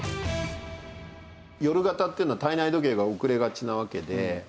夜型っていうのは体内時計が遅れがちなわけで。